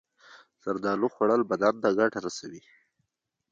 زردالو خوړل بدن ته ګټه رسوي.